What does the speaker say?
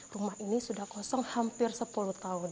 rumah ini sudah kosong hampir sepuluh tahun